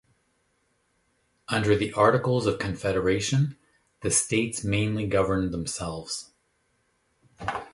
Under the Articles of Confederation, the states mainly governed themselves.